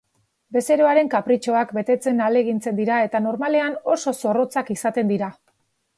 Bezeroaren kapritxoak betetzen ahalegintzen dira eta normalean oso zorrotzak izaten dira.